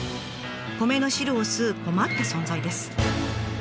米の汁を吸う困った存在です。